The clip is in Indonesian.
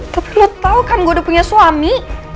tapi lo tau kan gue udah punya suami